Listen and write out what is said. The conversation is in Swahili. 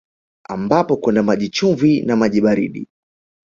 Ambapo kuna maji chumvi na maji baridi